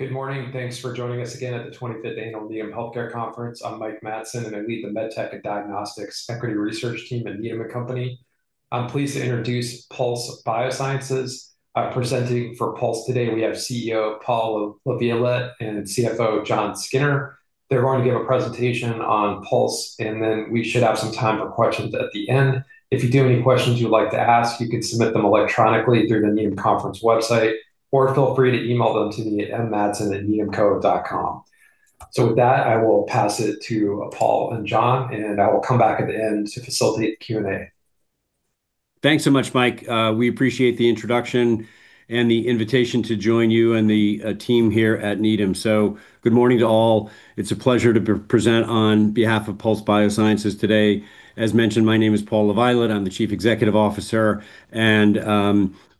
Good morning. Thanks for joining us again at the 25th Annual Needham Virtual Healthcare Conference. I'm Mike Matson, and I lead the Med Tech and Diagnostics Equity Research team at Needham & Company. I'm pleased to introduce Pulse Biosciences. Presenting for Pulse today, we have CEO Paul LaViolette and CFO Jon Skinner. They're going to give a presentation on Pulse, and then we should have some time for questions at the end. If you do have any questions you would like to ask, you can submit them electronically through the Needham Conference website, or feel free to email them to me at mmatson@needhamco.com. With that, I will pass it to Paul and Jon, and I will come back at the end to facilitate the Q&A. Thanks so much, Mike. We appreciate the introduction and the invitation to join you and the team here at Needham. Good morning to all. It's a pleasure to present on behalf of Pulse Biosciences today. As mentioned, my name is Paul A. LaViolette. I'm the Chief Executive Officer, and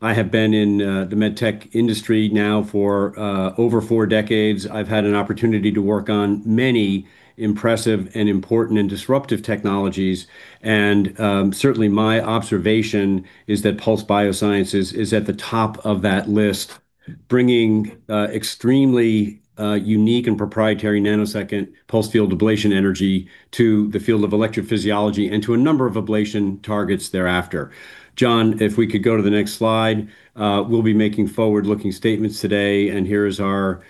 I have been in the med tech industry now for over four decades. I've had an opportunity to work on many impressive and important, and disruptive technologies. Certainly, my observation is that Pulse Biosciences is at the top of that list, bringing extremely unique and proprietary nanosecond pulse field ablation energy to the field of electrophysiology and to a number of ablation targets thereafter. Jon, if we could go to the next slide. We'll be making forward-looking statements today, and here is our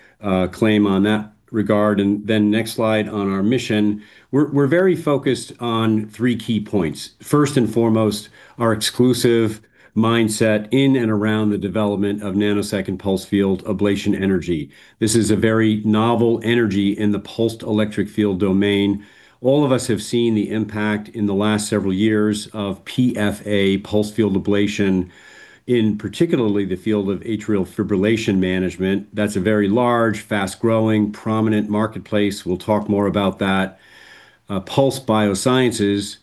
claim on that regard. Then next slide on our mission. We're very focused on three key points. First and foremost, our exclusive mindset in and around the development of nanosecond pulsed field ablation energy. This is a very novel energy in the pulsed electric field domain. All of us have seen the impact in the last several years of PFA, pulsed field ablation, in particular the field of atrial fibrillation management. That's a very large, fast-growing, prominent marketplace. We'll talk more about that. Pulse Biosciences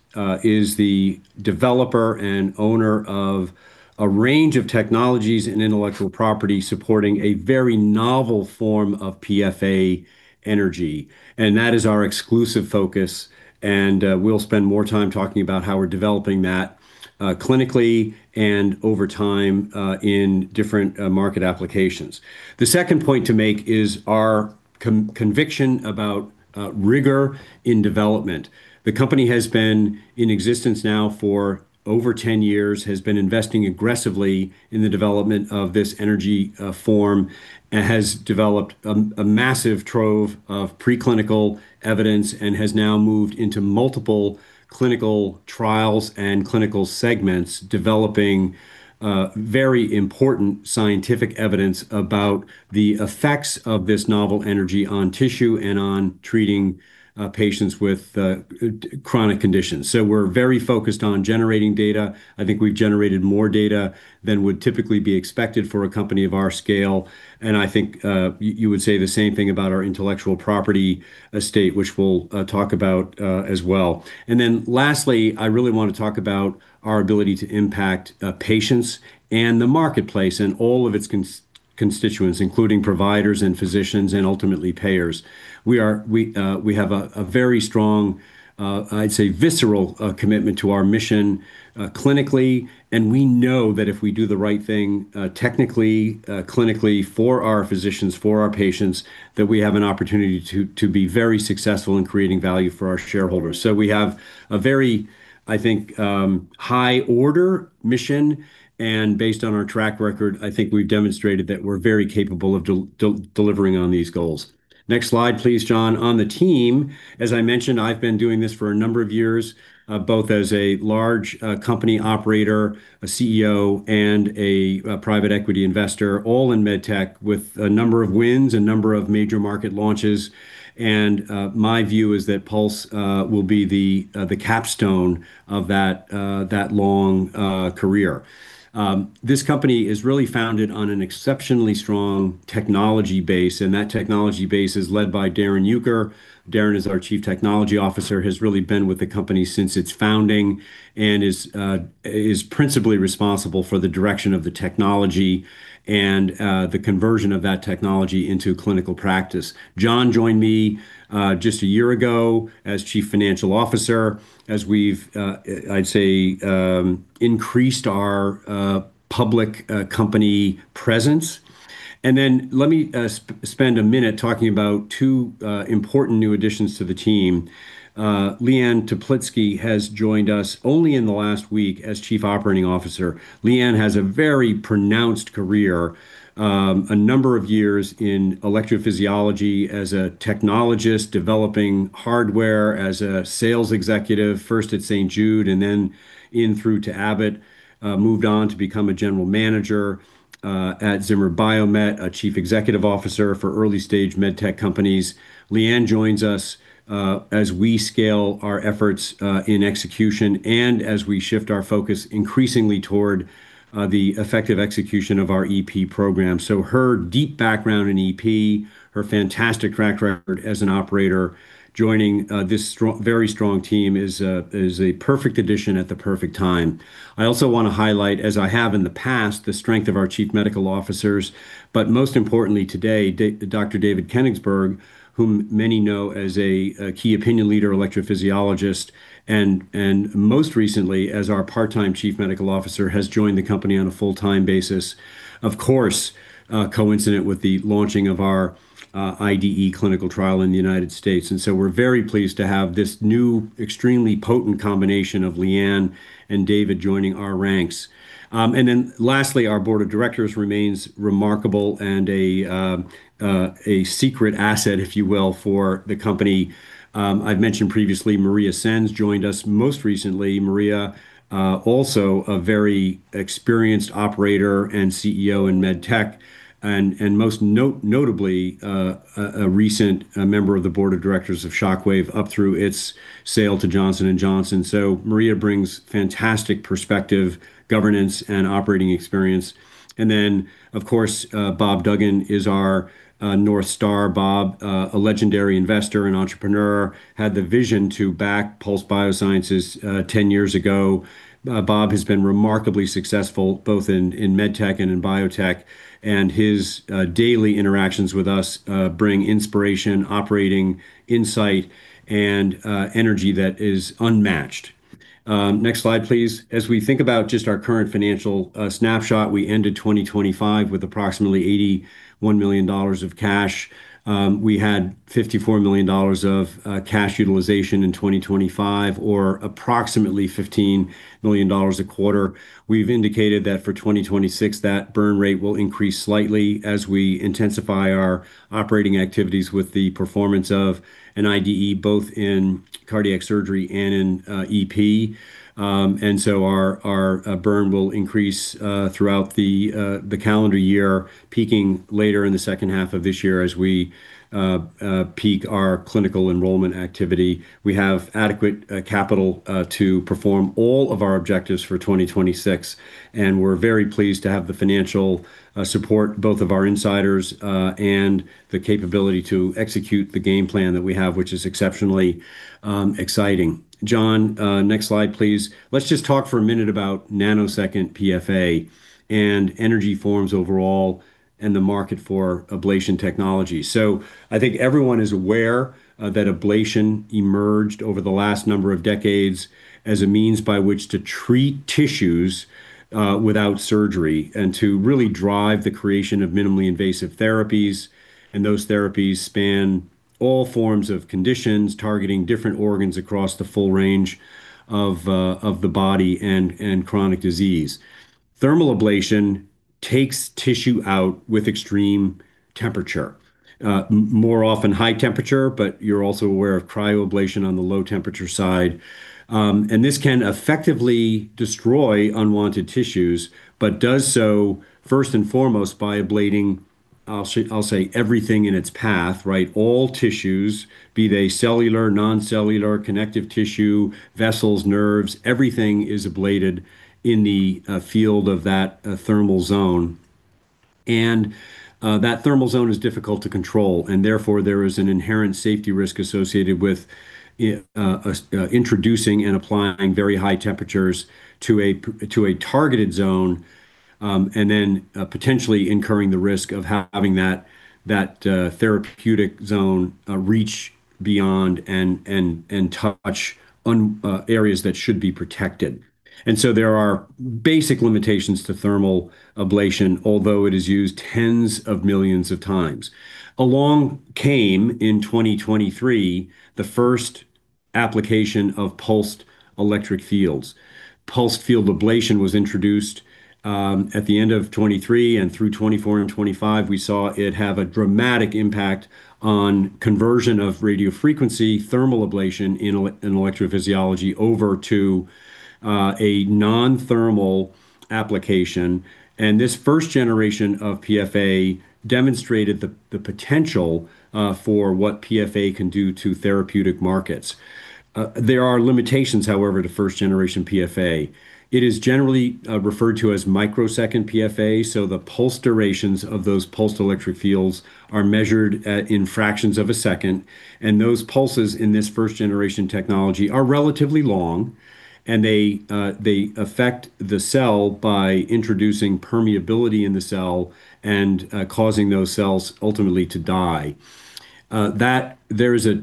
is the developer and owner of a range of technologies and intellectual property supporting a very novel form of PFA energy, and that is our exclusive focus. We'll spend more time talking about how we're developing that clinically and over time in different market applications. The second point to make is our conviction about rigor in development. The company has been in existence now for over 10 years, has been investing aggressively in the development of this energy form. It has developed a massive trove of pre-clinical evidence and has now moved into multiple clinical trials and clinical segments, developing very important scientific evidence about the effects of this novel energy on tissue and on treating patients with chronic conditions. We're very focused on generating data. I think we've generated more data than would typically be expected for a company of our scale, and I think you would say the same thing about our intellectual property estate, which we'll talk about as well. Then lastly, I really want to talk about our ability to impact patients and the marketplace and all of its constituents, including providers and physicians and ultimately payers. We have a very strong, I'd say visceral, commitment to our mission clinically, and we know that if we do the right thing technically, clinically for our physicians, for our patients, that we have an opportunity to be very successful in creating value for our shareholders. We have a very, I think, high order mission, and based on our track record, I think we've demonstrated that we're very capable of delivering on these goals. Next slide please, Jon. On the team, as I mentioned, I've been doing this for a number of years, both as a large company operator, a CEO, and a private equity investor, all in med tech, with a number of wins, a number of major market launches, and my view is that Pulse will be the capstone of that long career. This company is really founded on an exceptionally strong technology base, and that technology base is led by Darrin Uecker. Darrin is our Chief Technology Officer, has really been with the company since its founding and is principally responsible for the direction of the technology and the conversion of that technology into clinical practice. Jon joined me just a year ago as Chief Financial Officer, as we've, I'd say, increased our public company presence. Let me spend a minute talking about two important new additions to the team. Liane Teplitsky has joined us only in the last week as Chief Operating Officer. Liane has a very pronounced career, a number of years in electrophysiology as a technologist, developing hardware as a sales executive, first at St. Jude and then through to Abbott. Moved on to become a general manager at Zimmer Biomet, a Chief Executive Officer for early-stage med tech companies. Liane joins us as we scale our efforts in execution and as we shift our focus increasingly toward the effective execution of our EP program. Her deep background in EP, her fantastic track record as an operator joining this very strong team is a perfect addition at the perfect time. I also want to highlight, as I have in the past, the strength of our Chief Medical Officers, but most importantly today, Dr. David Kenigsberg, whom many know as a key opinion leader, electrophysiologist, and most recently as our part-time Chief Medical Officer, has joined the company on a full-time basis, of course, coincident with the launching of our IDE clinical trial in the United States. We're very pleased to have this new extremely potent combination of Liane and David joining our ranks. Lastly, our board of directors remains remarkable and a secret asset, if you will, for the company. I've mentioned previously Maria Sainz joined us most recently. Maria also a very experienced operator and CEO in med tech and most notably, a recent member of the board of directors of Shockwave up through its sale to Johnson & Johnson. Maria brings fantastic perspective, governance, and operating experience. Of course, Bob Duggan is our North Star. Bob, a legendary investor and entrepreneur, had the vision to back Pulse Biosciences 10 years ago. Bob has been remarkably successful both in med tech and in biotech, and his daily interactions with us bring inspiration, operating insight, and energy that is unmatched. Next slide, please. As we think about just our current financial snapshot, we ended 2025 with approximately $81 million of cash. We had $54 million of cash utilization in 2025, or approximately $15 million a quarter. We've indicated that for 2026, that burn rate will increase slightly as we intensify our operating activities with the performance of an IDE, both in cardiac surgery and in EP. Our burn will increase throughout the calendar year, peaking later in the second half of this year as we peak our clinical enrollment activity. We have adequate capital to perform all of our objectives for 2026, and we're very pleased to have the financial support both of our insiders and the capability to execute the game plan that we have, which is exceptionally exciting. Jon, next slide, please. Let's just talk for a minute about Nanosecond PFA and energy forms overall and the market for ablation technology. I think everyone is aware that ablation emerged over the last number of decades as a means by which to treat tissues without surgery and to really drive the creation of minimally invasive therapies, and those therapies span all forms of conditions, targeting different organs across the full range of the body and in chronic disease. Thermal ablation takes tissue out with extreme temperature. More often high temperature, but you're also aware of cryoablation on the low-temperature side. This can effectively destroy unwanted tissues, but does so first and foremost by ablating, I'll say, everything in its path. All tissues, be they cellular, non-cellular, connective tissue, vessels, nerves, everything is ablated in the field of that thermal zone. That thermal zone is difficult to control, and therefore there is an inherent safety risk associated with introducing and applying very high temperatures to a targeted zone, and then potentially incurring the risk of having that therapeutic zone reach beyond and touch on areas that should be protected. There are basic limitations to thermal ablation, although it is used tens of millions of times. Along came, in 2023, the first application of pulsed electric fields. Pulsed field ablation was introduced at the end of 2023, and through 2024 and 2025, we saw it have a dramatic impact on conversion of radiofrequency thermal ablation in electrophysiology over to a non-thermal application. This first generation of PFA demonstrated the potential for what PFA can do to therapeutic markets. There are limitations, however, to first generation PFA. It is generally referred to as microsecond PFA, so the pulse durations of those pulsed electric fields are measured in fractions of a second, and those pulses in this first generation technology are relatively long, and they affect the cell by introducing permeability in the cell and causing those cells ultimately to die. There is a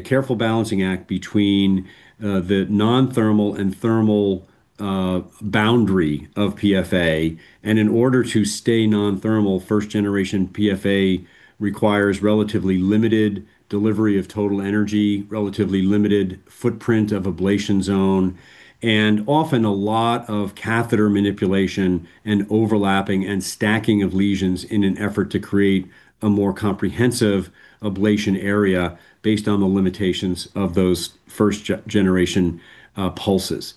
careful balancing act between the non-thermal and thermal boundary of PFA. In order to stay non-thermal, first generation PFA requires relatively limited delivery of total energy, relatively limited footprint of ablation zone, and often a lot of catheter manipulation and overlapping and stacking of lesions in an effort to create a more comprehensive ablation area based on the limitations of those first-generation pulses.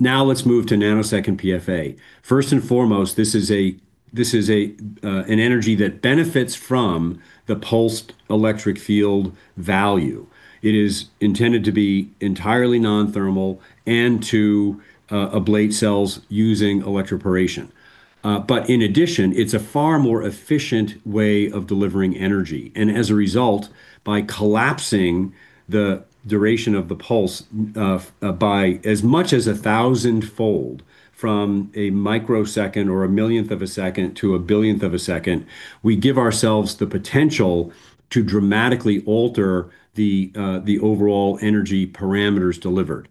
Now let's move to nanosecond PFA. First and foremost, this is an energy that benefits from the pulsed electric field value. It is intended to be entirely non-thermal and to ablate cells using electroporation. In addition, it's a far more efficient way of delivering energy. As a result, by collapsing the duration of the pulse by as much as 1,000-fold from a microsecond or a millionth of a second to a billionth of a second, we give ourselves the potential to dramatically alter the overall energy parameters delivered.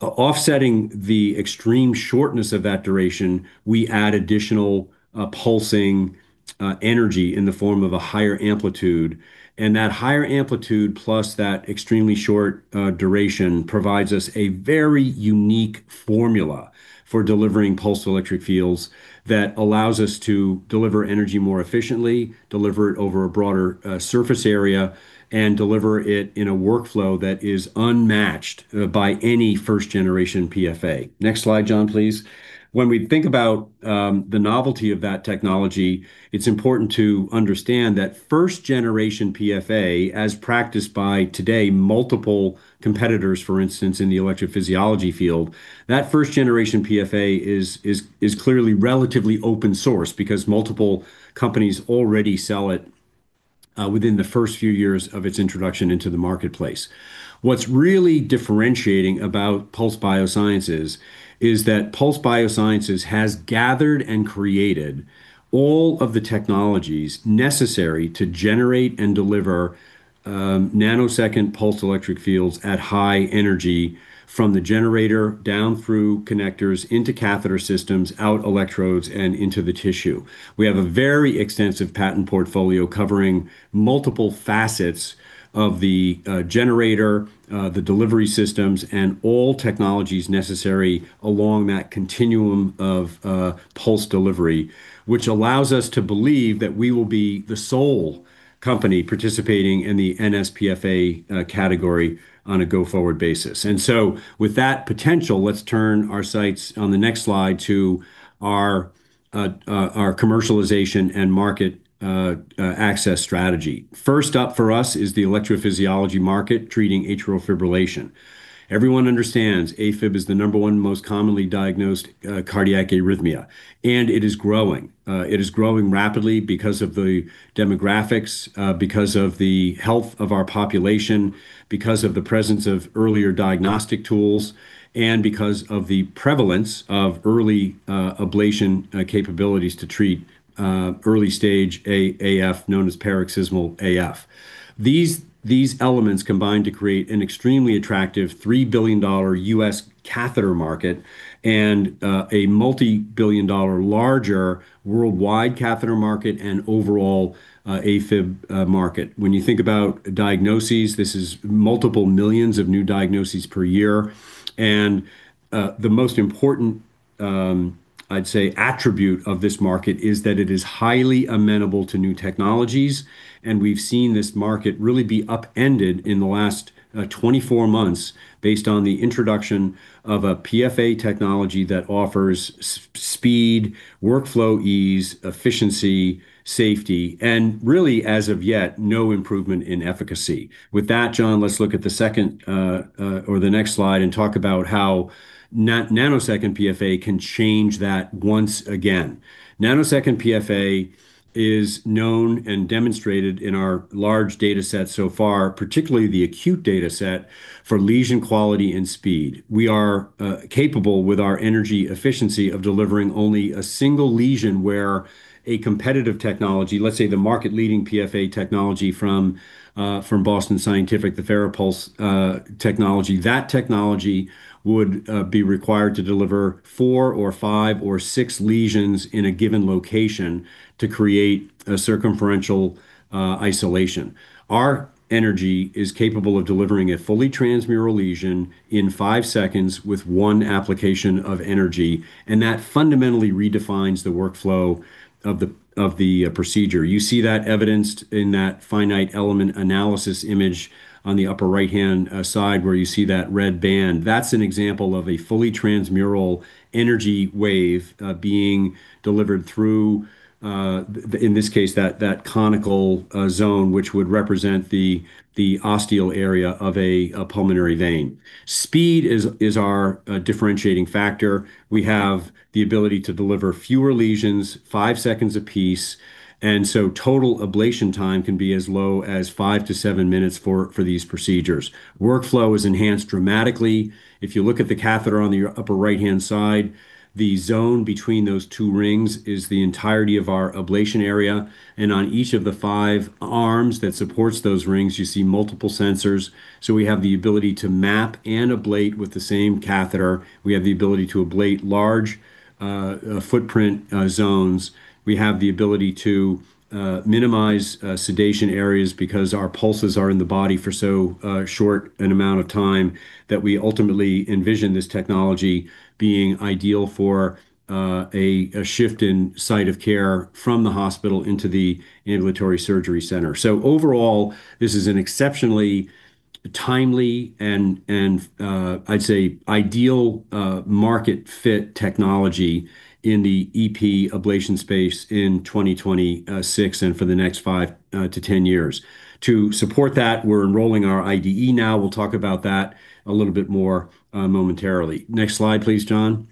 Offsetting the extreme shortness of that duration, we add additional pulsing energy in the form of a higher amplitude, and that higher amplitude plus that extremely short duration provides us a very unique formula for delivering pulsed electric fields that allows us to deliver energy more efficiently, deliver it over a broader surface area, and deliver it in a workflow that is unmatched by any first-generation PFA. Next slide, Jon, please. When we think about the novelty of that technology, it's important to understand that first generation PFA, as practiced today by multiple competitors, for instance, in the electrophysiology field, that first generation PFA is clearly relatively open source because multiple companies already sell it within the first few years of its introduction into the marketplace. What's really differentiating about Pulse Biosciences is that Pulse Biosciences has gathered and created all of the technologies necessary to generate and deliver nanosecond pulsed electric fields at high energy from the generator down through connectors into catheter systems, out electrodes, and into the tissue. We have a very extensive patent portfolio covering multiple facets of the generator, the delivery systems, and all technologies necessary along that continuum of pulse delivery. Which allows us to believe that we will be the sole company participating in the nsPFA category on a go-forward basis. With that potential, let's turn our sights on the next slide to our commercialization and market access strategy. First up for us is the electrophysiology market treating atrial fibrillation. Everyone understands AFib is the number one most commonly diagnosed cardiac arrhythmia, and it is growing. It is growing rapidly because of the demographics, because of the health of our population, because of the presence of earlier diagnostic tools, and because of the prevalence of early ablation capabilities to treat early-stage AF, known as paroxysmal AF. These elements combine to create an extremely attractive $3 billion U.S. catheter market and a multibillion-dollar larger worldwide catheter market and overall AFib market. When you think about diagnoses, this is multiple millions of new diagnoses per year, and the most important, I'd say, attribute of this market is that it is highly amenable to new technologies, and we've seen this market really be upended in the last 24 months based on the introduction of a PFA technology that offers speed, workflow ease, efficiency, safety, and really, as of yet, no improvement in efficacy. With that, Jon, let's look at the second or the next slide and talk about how nanosecond PFA can change that once again. Nanosecond PFA is known and demonstrated in our large data set so far, particularly the acute data set for lesion quality and speed. We are capable with our energy efficiency of delivering only a single lesion where a competitive technology, let's say, the market-leading PFA technology from Boston Scientific, the FARAPULSE technology, that technology would be required to deliver four or five or six lesions in a given location to create a circumferential isolation. Our energy is capable of delivering a fully transmural lesion in five seconds with one application of energy, and that fundamentally redefines the workflow of the procedure. You see that evidenced in that finite element analysis image on the upper right-hand side where you see that red band. That's an example of a fully transmural energy wave being delivered through, in this case, that conical zone, which would represent the ostial area of a pulmonary vein. Speed is our differentiating factor. We have the ability to deliver fewer lesions, five seconds apiece, and so total ablation time can be as low as five-seven minutes for these procedures. Workflow is enhanced dramatically. If you look at the catheter on the upper right-hand side, the zone between those two rings is the entirety of our ablation area. On each of the five arms that supports those rings, you see multiple sensors. We have the ability to map and ablate with the same catheter. We have the ability to ablate large footprint zones. We have the ability to minimize sedation areas because our pulses are in the body for so short an amount of time that we ultimately envision this technology being ideal for a shift in site of care from the hospital into the ambulatory surgery center. Overall, this is an exceptionally timely and, I'd say, ideal market fit technology in the EP ablation space in 2026 and for the next five-10 years. To support that, we're enrolling our IDE now. We'll talk about that a little bit more momentarily. Next slide, please, Jon.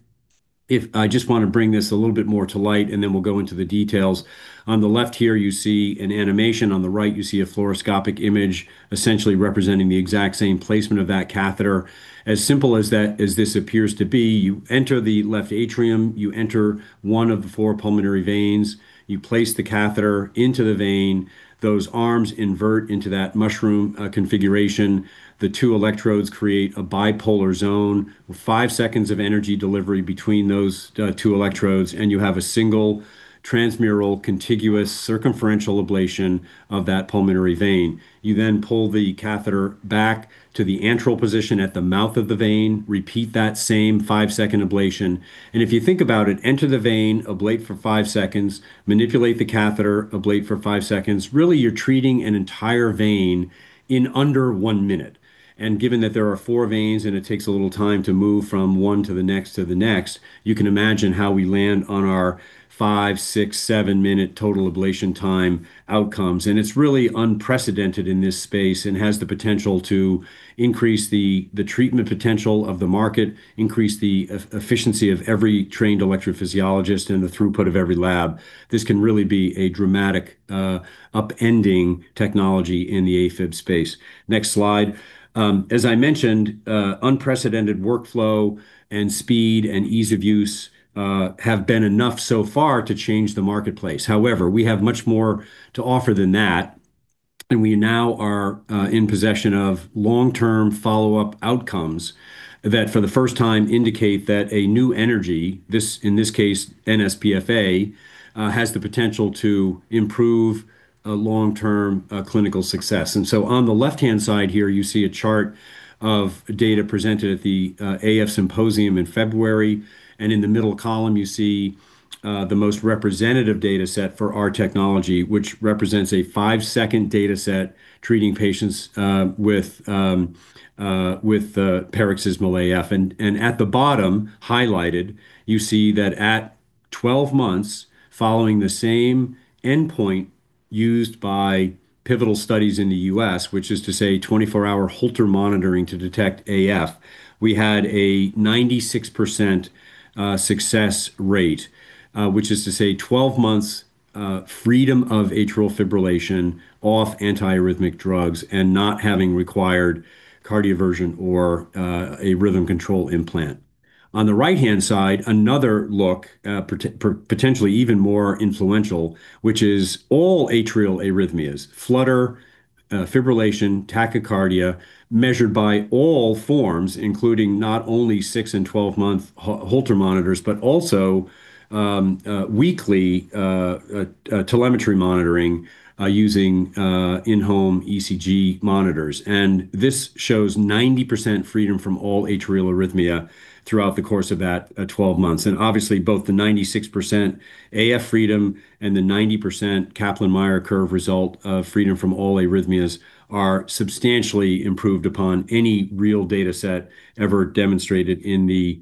I just want to bring this a little bit more to light, and then we'll go into the details. On the left here, you see an animation. On the right, you see a fluoroscopic image essentially representing the exact same placement of that catheter. As simple as this appears to be, you enter the left atrium, you enter one of the four pulmonary veins, you place the catheter into the vein. Those arms invert into that mushroom configuration. The two electrodes create a bipolar zone. Five seconds of energy delivery between those two electrodes, and you have a single transmural contiguous circumferential ablation of that pulmonary vein. You then pull the catheter back to the antral position at the mouth of the vein, repeat that same five-second ablation, and if you think about it, enter the vein, ablate for five seconds, manipulate the catheter, ablate for five seconds. Really, you're treating an entire vein in under one minute. Given that there are four veins and it takes a little time to move from one to the next to the next, you can imagine how we land on our five, six, seven-minute total ablation time outcomes. It's really unprecedented in this space and has the potential to increase the treatment potential of the market, increase the efficiency of every trained electrophysiologist, and the throughput of every lab. This can really be a dramatic upending technology in the AFib space. Next slide. As I mentioned, unprecedented workflow and speed, and ease of use have been enough so far to change the marketplace. However, we have much more to offer than that. We now are in possession of long-term follow-up outcomes that for the first time indicate that a new energy, in this case, nsPFA, has the potential to improve long-term clinical success. On the left-hand side here, you see a chart of data presented at the AF Symposium in February. In the middle column, you see the most representative data set for our technology, which represents a five-second data set treating patients with paroxysmal AF. At the bottom, highlighted, you see that at 12 months following the same endpoint used by pivotal studies in the U.S., which is to say 24-hour Holter monitoring to detect AF, we had a 96% success rate, which is to say 12 months freedom from atrial fibrillation off anti-arrhythmic drugs and not having required cardioversion or a rhythm control implant. On the right-hand side, another look, potentially even more influential, which is all atrial arrhythmias, flutter, fibrillation, tachycardia, measured by all forms, including not only six- and 12-month Holter monitors, but also weekly telemetry monitoring using in-home ECG monitors. This shows 90% freedom from all atrial arrhythmia throughout the course of that 12 months. Obviously, both the 96% AF freedom and the 90% Kaplan-Meier curve result of freedom from all arrhythmias are substantially improved upon any real data set ever demonstrated in the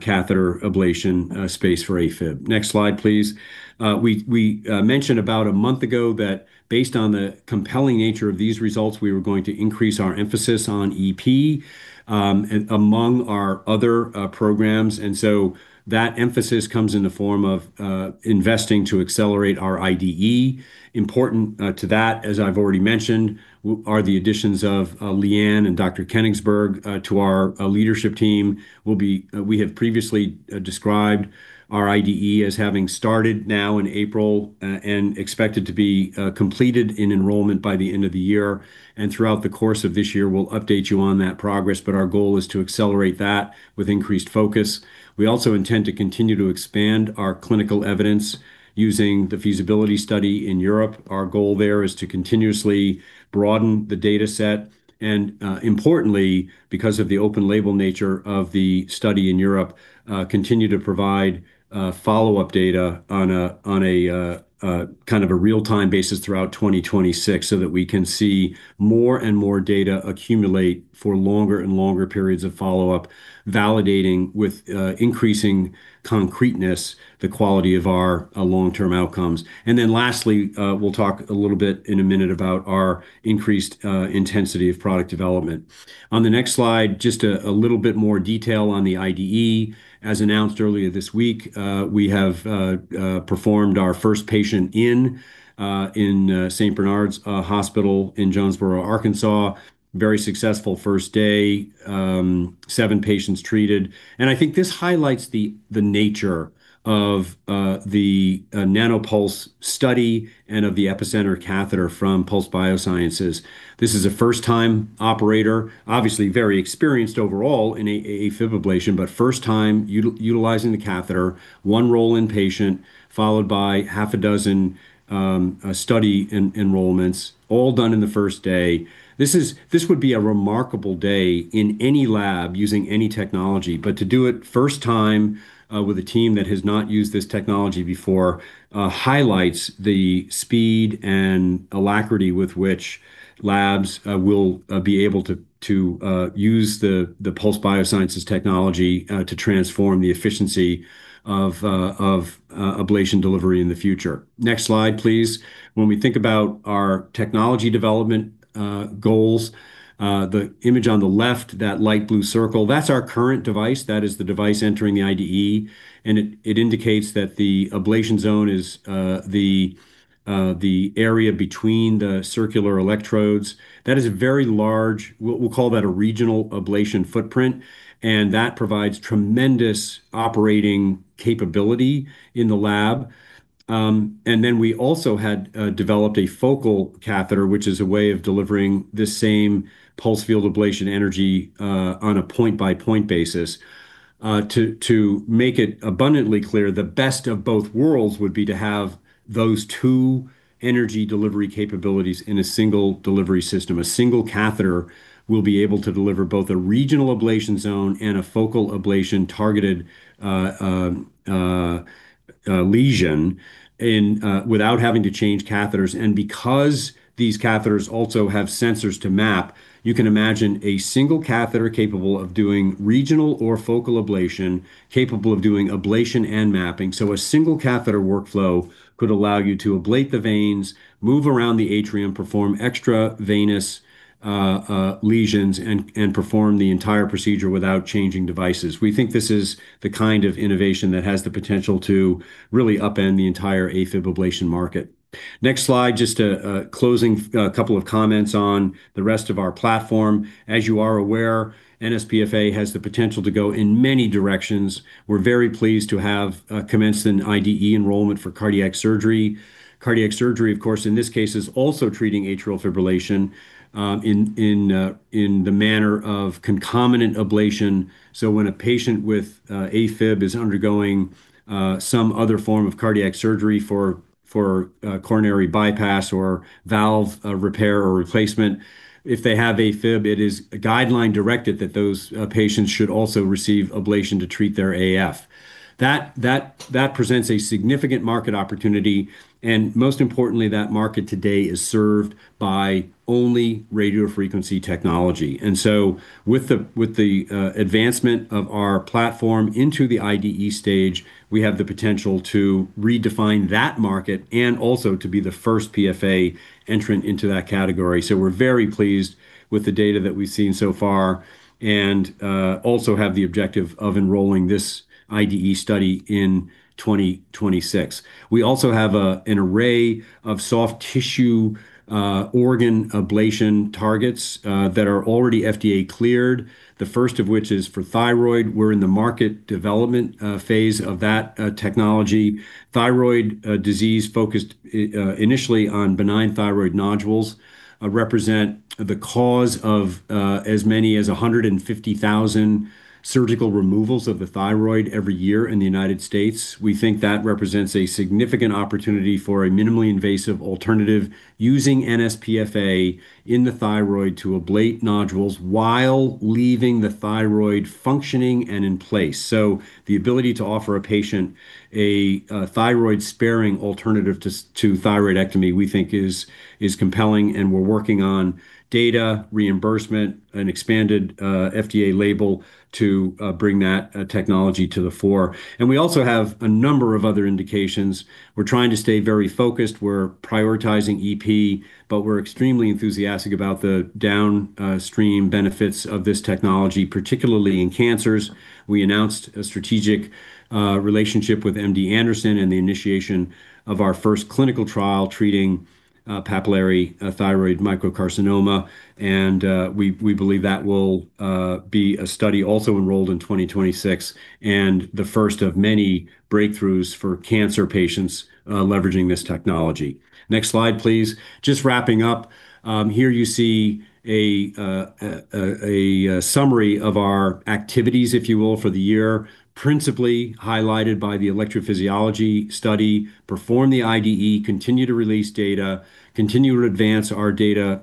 catheter ablation space for AFib. Next slide, please. We mentioned about a month ago that based on the compelling nature of these results, we were going to increase our emphasis on EP among our other programs, and so that emphasis comes in the form of investing to accelerate our IDE. Important to that, as I've already mentioned, are the additions of Liane and Dr. Kenigsberg to our leadership team. We have previously described our IDE as having started now in April and expected to be completed in enrollment by the end of the year. Throughout the course of this year, we'll update you on that progress, but our goal is to accelerate that with increased focus. We also intend to continue to expand our clinical evidence using the feasibility study in Europe. Our goal there is to continuously broaden the data set, and importantly, because of the open label nature of the study in Europe, continue to provide follow-up data on a kind of a real-time basis throughout 2026 so that we can see more and more data accumulate for longer and longer periods of follow-up, validating with increasing concreteness the quality of our long-term outcomes. Lastly, we'll talk a little bit in a minute about our increased intensity of product development. On the next slide, just a little bit more detail on the IDE. As announced earlier this week, we have performed our first patient in St. Bernards Hospital in Jonesboro, Arkansas. Very successful first day. Seven patients treated. I think this highlights the nature of the NANOPULSE study and of the Epicenter catheter from Pulse Biosciences. This is a first-time operator, obviously very experienced overall in AFib ablation, but first time utilizing the catheter. One roll-in patient followed by half a dozen study enrollments, all done in the first day. This would be a remarkable day in any lab using any technology, but to do it first time with a team that has not used this technology before highlights the speed and alacrity with which labs will be able to use the Pulse Biosciences technology to transform the efficiency of ablation delivery in the future. Next slide, please. When we think about our technology development goals, the image on the left, that light blue circle, that's our current device. That is the device entering the IDE, and it indicates that the ablation zone is the area between the circular electrodes. That is very large. We'll call that a regional ablation footprint, and that provides tremendous operating capability in the lab. Then we also had developed a focal catheter, which is a way of delivering the same pulsed field ablation energy on a point-by-point basis. To make it abundantly clear, the best of both worlds would be to have those two energy delivery capabilities in a single delivery system. A single catheter will be able to deliver both a regional ablation zone and a focal ablation-targeted lesion without having to change catheters. Because these catheters also have sensors to map, you can imagine a single catheter capable of doing regional or focal ablation, capable of doing ablation and mapping. A single catheter workflow could allow you to ablate the veins, move around the atrium, perform extra venous lesions, and perform the entire procedure without changing devices. We think this is the kind of innovation that has the potential to really upend the entire AFib ablation market. Next slide, just a closing couple of comments on the rest of our platform. As you are aware, nsPFA has the potential to go in many directions. We're very pleased to have commenced an IDE enrollment for cardiac surgery. Cardiac surgery, of course, in this case is also treating atrial fibrillation in the manner of concomitant ablation. When a patient with AFib is undergoing some other form of cardiac surgery for coronary bypass or valve repair or replacement, if they have AFib, it is guideline directed that those patients should also receive ablation to treat their AF. That presents a significant market opportunity, and most importantly, that market today is served by only radiofrequency technology. With the advancement of our platform into the IDE stage, we have the potential to redefine that market and also to be the first PFA entrant into that category. We're very pleased with the data that we've seen so far and also have the objective of enrolling this IDE study in 2026. We also have an array of soft tissue organ ablation targets that are already FDA cleared, the first of which is for thyroid. We're in the market development phase of that technology. Thyroid disease, focused initially on benign thyroid nodules, represent the cause of as many as 150,000 surgical removals of the thyroid every year in the United States. We think that represents a significant opportunity for a minimally invasive alternative using nsPFA in the thyroid to ablate nodules while leaving the thyroid functioning and in place. The ability to offer a patient a thyroid-sparing alternative to thyroidectomy, we think is compelling, and we're working on data reimbursement, an expanded FDA label to bring that technology to the fore. We also have a number of other indications. We're trying to stay very focused. We're prioritizing EP, but we're extremely enthusiastic about the downstream benefits of this technology, particularly in cancers. We announced a strategic relationship with MD Anderson and the initiation of our first clinical trial treating papillary thyroid microcarcinoma, and we believe that will be a study also enrolled in 2026 and the first of many breakthroughs for cancer patients leveraging this technology. Next slide, please. Just wrapping up, here you see a summary of our activities, if you will, for the year. Principally highlighted by the electrophysiology study, perform the IDE, continue to release data, continue to advance our data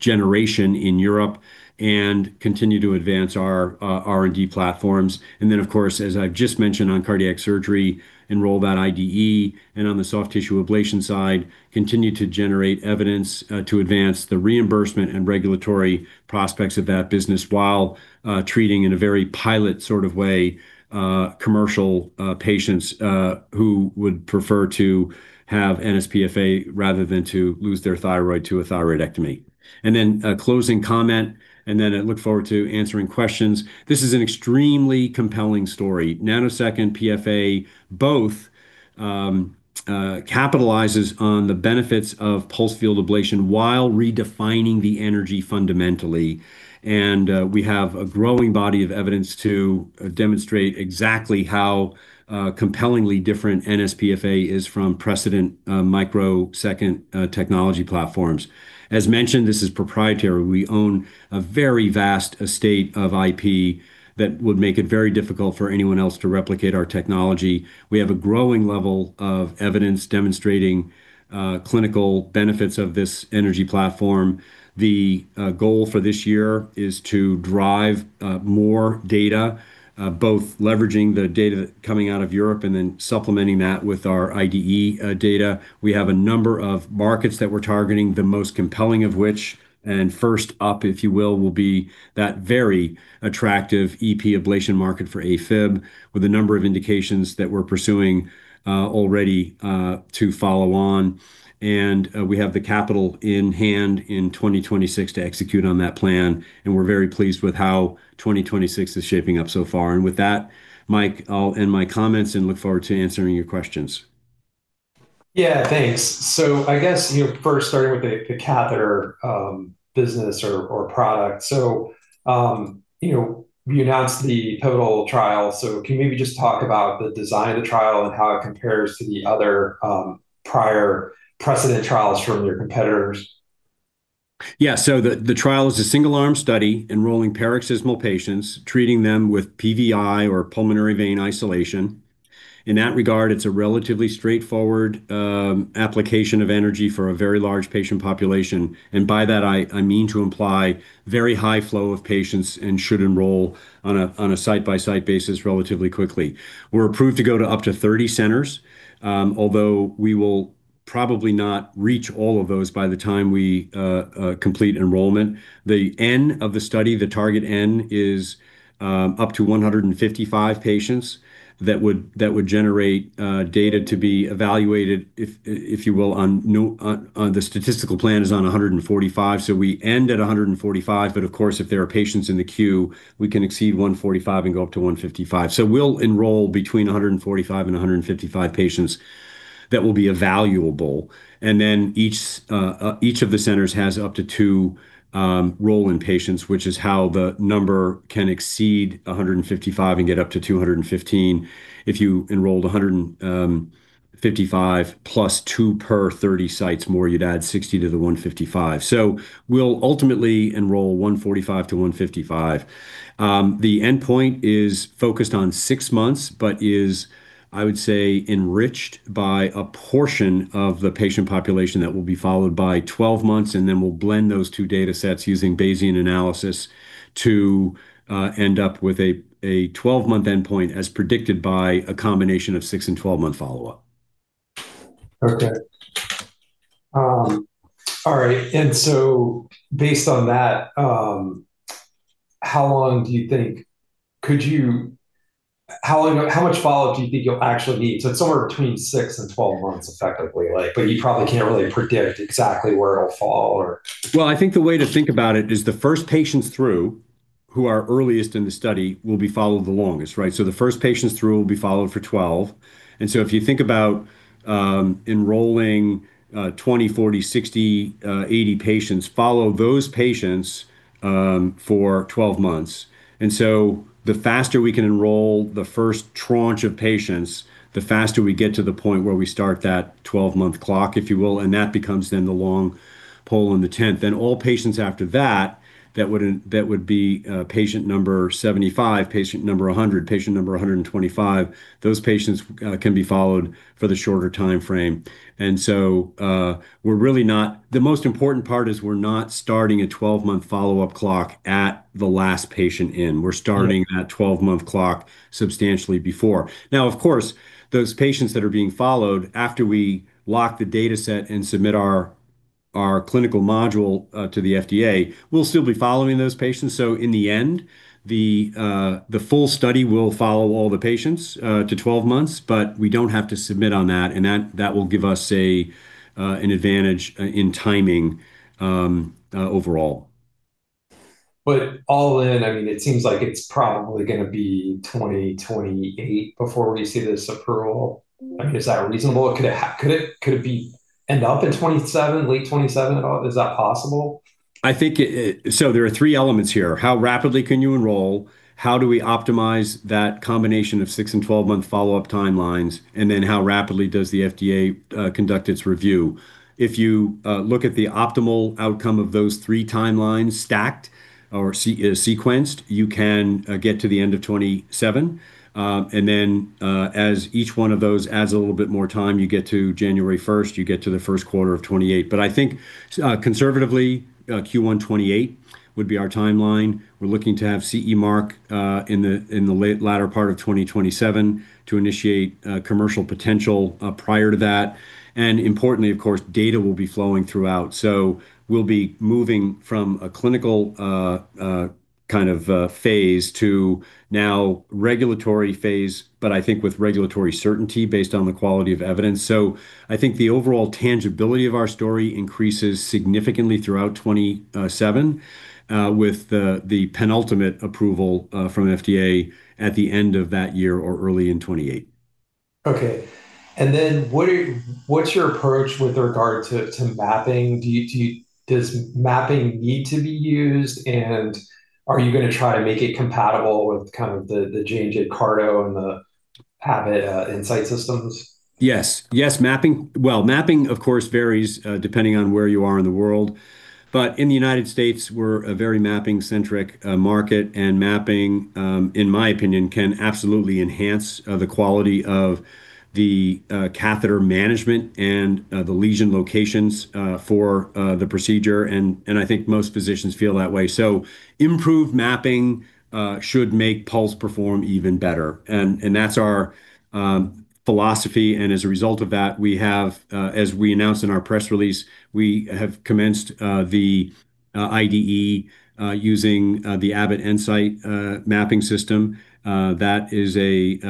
generation in Europe, and continue to advance our R&D platforms. Then, of course, as I've just mentioned on cardiac surgery, enroll that IDE and on the soft tissue ablation side, continue to generate evidence to advance the reimbursement and regulatory prospects of that business while treating in a very pilot sort of way commercial patients who would prefer to have nsPFA rather than to lose their thyroid to a thyroidectomy. Then a closing comment, then I look forward to answering questions. This is an extremely compelling story. Nanosecond PFA both capitalizes on the benefits of pulsed field ablation while redefining the energy fundamentally. We have a growing body of evidence to demonstrate exactly how compellingly different nsPFA is from precedent microsecond technology platforms. As mentioned, this is proprietary. We own a very vast estate of IP that would make it very difficult for anyone else to replicate our technology. We have a growing level of evidence demonstrating clinical benefits of this energy platform. The goal for this year is to drive more data, both leveraging the data coming out of Europe and then supplementing that with our IDE data. We have a number of markets that we're targeting, the most compelling of which, and first up, if you will be that very attractive EP ablation market for AFib with a number of indications that we're pursuing already to follow on. We have the capital in hand in 2026 to execute on that plan, and we're very pleased with how 2026 is shaping up so far. With that, Mike, I'll end my comments and look forward to answering your questions. Yeah, thanks. I guess first starting with the catheter business or product. You announced the pivotal trial. Can you maybe just talk about the design of the trial and how it compares to the other prior precedent trials from your competitors? Yeah. The trial is a single-arm study enrolling paroxysmal patients, treating them with PVI or pulmonary vein isolation. In that regard, it's a relatively straightforward application of energy for a very large patient population. By that, I mean to imply very high flow of patients and should enroll on a site-by-site basis relatively quickly. We're approved to go to up to 30 centers, although we will probably not reach all of those by the time we complete enrollment. The N of the study, the target N, is up to 155 patients. That would generate data to be evaluated, if you will. The statistical plan is on 145, so we end at 145, but of course, if there are patients in the queue, we can exceed 145 and go up to 155. We'll enroll between 145 and 155 patients. That will be evaluable. Each of the centers has up to two roll-in patients, which is how the number can exceed 155 and get up to 215. If you enrolled 155 plus two per 30 sites more, you'd add 60 to the 155. We'll ultimately enroll 145-155. The endpoint is focused on six months, but is, I would say, enriched by a portion of the patient population that will be followed by 12 months, and then we'll blend those two data sets using Bayesian analysis to end up with a 12-month endpoint, as predicted by a combination of six- and 12-month follow-up. Okay. All right. Based on that, how much follow-up do you think you'll actually need? It's somewhere between six and 12 months, effectively. You probably can't really predict exactly where it'll fall? Well, I think the way to think about it is the first patients through, who are earliest in the study, will be followed the longest, right? The first patients through will be followed for 12. If you think about enrolling 20, 40, 60, 80 patients, follow those patients for 12 months. The faster we can enroll the first tranche of patients, the faster we get to the point where we start that 12-month clock, if you will, and that becomes then the long pole in the tent. All patients after that would be patient number 75, patient number 100, patient number 125. Those patients can be followed for the shorter timeframe. The most important part is we're not starting a 12-month follow-up clock at the last patient in. We're starting that 12-month clock substantially before. Now, of course, those patients that are being followed after we lock the data set and submit our clinical module to the FDA, we'll still be following those patients. In the end, the full study will follow all the patients to 12 months, but we don't have to submit on that. That will give us an advantage in timing overall. All in, it seems like it's probably going to be 2028 before we see this approval. Is that reasonable or could it end up in late 2027? Is that possible? There are three elements here. How rapidly can you enroll? How do we optimize that combination of six- and 12-month follow-up timelines? How rapidly does the FDA conduct its review? If you look at the optimal outcome of those three timelines stacked or sequenced, you can get to the end of 2027. As each one of those adds a little bit more time, you get to January 1, you get to the first quarter of 2028. I think conservatively, Q1 2028 would be our timeline. We're looking to have CE mark in the latter part of 2027 to initiate commercial potential prior to that. Importantly, of course, data will be flowing throughout. We'll be moving from a clinical kind of phase to now regulatory phase, but I think with regulatory certainty based on the quality of evidence. I think the overall tangibility of our story increases significantly throughout 2027 with the penultimate approval from FDA at the end of that year or early in 2028. Okay. What's your approach with regard to mapping? Does mapping need to be used? Are you going to try to make it compatible with kind of the change at CARTO and the Abbott EnSite systems? Yes. Well, mapping, of course, varies depending on where you are in the world. In the United States, we're a very mapping-centric market, and mapping, in my opinion, can absolutely enhance the quality of the catheter management and the lesion locations for the procedure. I think most physicians feel that way. Improved mapping should make Pulse perform even better. That's our philosophy. As a result of that, as we announced in our press release, we have commenced the IDE using the Abbott EnSite mapping system. We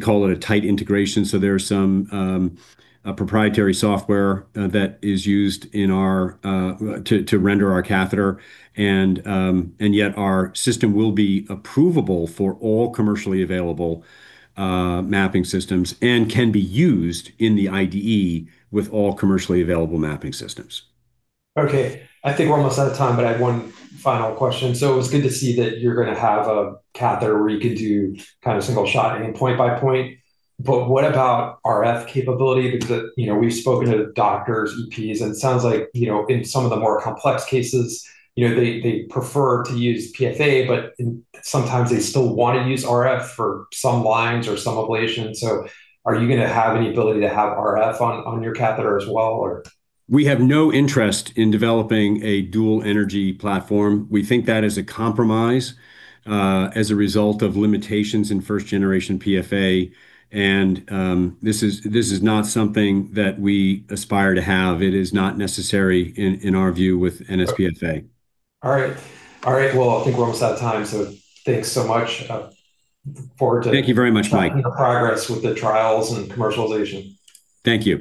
call it a tight integration, so there's some proprietary software that is used to render our catheter, and yet our system will be approvable for all commercially available mapping systems and can be used in the IDE with all commercially available mapping systems. Okay. I think we're almost out of time, but I have one final question. It was good to see that you're going to have a catheter where you can do kind of single-shot and point-by-point. What about RF capability? Because we've spoken to doctors, EPs, and it sounds like in some of the more complex cases, they prefer to use PFA, but sometimes they still want to use RF for some lines or some ablation. Are you going to have any ability to have RF on your catheter as well, or? We have no interest in developing a dual energy platform. We think that is a compromise as a result of limitations in first generation PFA, and this is not something that we aspire to have. It is not necessary in our view with nsPFA. All right. Well, I think we're almost out of time, so thanks so much. Thank you very much, Mike. Looking forward to your progress with the trials and commercialization. Thank you.